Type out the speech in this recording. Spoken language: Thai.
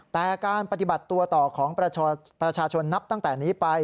แต่การปฏิบัติตัวต่อของประชาชนนับตั้งแต่นี้ไป